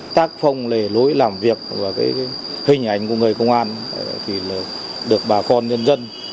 tác phong lề lối làm việc và hình ảnh của người công an được bà con nhân dân